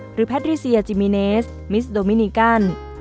แพทริเซียจิมิเนสมิสโดมินีกัน